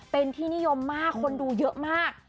เป็นที่นิยมมากคนดูเยอะมาก